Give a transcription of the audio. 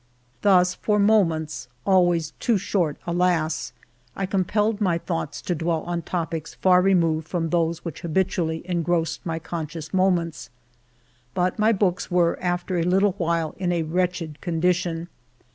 Thus for moments, always too short, alas ! I compelled my thoughts to dwell on topics far removed from those which habitually engrossed my conscious moments. But my books were, after a little while, in a wretched condition.